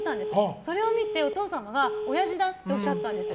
それを見てお父様がおやじだっておっしゃったんですよ。